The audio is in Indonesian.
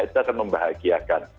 kita akan membahagiakan